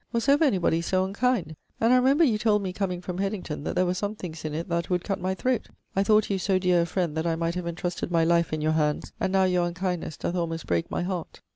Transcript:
Was ever any body so unkind? And I remember you told me comeing from Hedington that there were some things in it that "would cutt my throat." I thought you so deare a friend that I might have entrusted my life in your hands and now your unkindnes doth almost break my heart.'